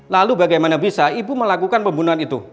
lalu bagaimana bisa ibu melakukan pembunuhan itu